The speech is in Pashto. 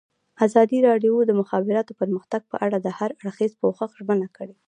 ازادي راډیو د د مخابراتو پرمختګ په اړه د هر اړخیز پوښښ ژمنه کړې.